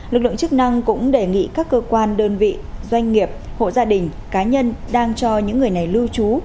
lực lượng chức năng cũng đề nghị các cơ quan đơn vị doanh nghiệp hộ gia đình cá nhân đang cho những người này lưu trú